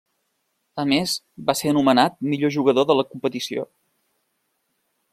A més, va ser nomenat millor jugador de la competició.